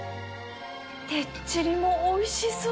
てっちりもおいしそう！